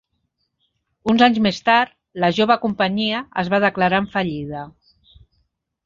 Uns anys més tard, la jove companyia es va declarar en fallida.